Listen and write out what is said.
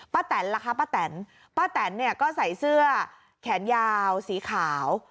แตนล่ะคะป้าแตนป้าแตนเนี่ยก็ใส่เสื้อแขนยาวสีขาว